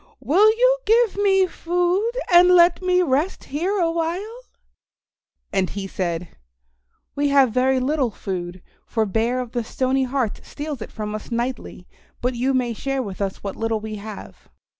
Will you give me food and let me rest here a while?" And he said, "We have very little food, for Bear of the Stony Heart steals it from us nightly, but you may share with us what little we have."